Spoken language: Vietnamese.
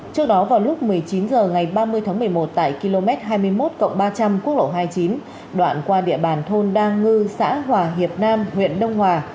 trước đó vào lúc một mươi chín h ngày ba mươi tháng một mươi một tại km hai mươi một ba trăm linh quốc lộ hai mươi chín đoạn qua địa bàn thôn đa ngư xã hòa hiệp nam huyện đông hòa